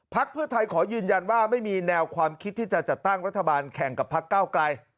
เพื่อไทยขอยืนยันว่าไม่มีแนวความคิดที่จะจัดตั้งรัฐบาลแข่งกับพักเก้าไกล